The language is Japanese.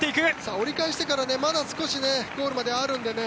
折り返してからまだ少しゴールまであるのでね。